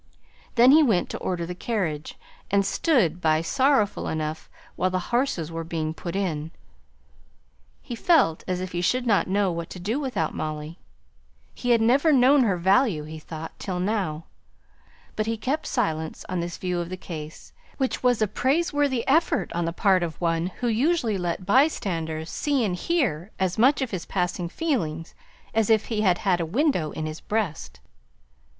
Then he went to order the carriage, and stood by sorrowful enough while the horses were being put in. He felt as if he should not know what to do without Molly; he had never known her value, he thought, till now. But he kept silence on this view of the case; which was a praiseworthy effort on the part of one who usually let by standers see and hear as much of his passing feelings as if he had had a window in his breast.